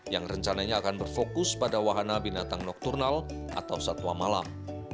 yang rencananya akan berfokus pada wahana binatang nokturnal atau satwa malam